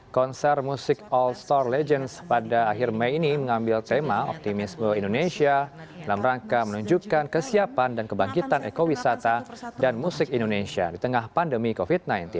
konser musik all star legends pada akhir mei ini mengambil tema optimisme indonesia dalam rangka menunjukkan kesiapan dan kebangkitan ekowisata dan musik indonesia di tengah pandemi covid sembilan belas